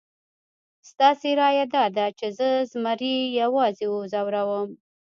ستاسې رایه داده چې زه زمري یوازې وځوروم؟